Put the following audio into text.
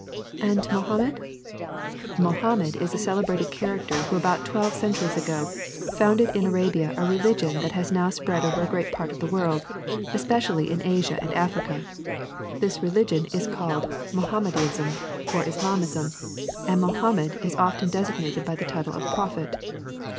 '^ '^And Mohammed?'' *^ Mohammed is a celebrated character who about twelve centuries ago founded in Arabia a religion that has now spread over a great part of the world, especially in Asia and Africa. This religion is called Mohammedanism or Islamism, and Mohammed is often designated by the title of Prophet.